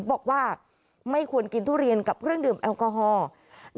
บอกว่าไม่ควรกินทุเรียนกับเครื่องดื่มแอลกอฮอล์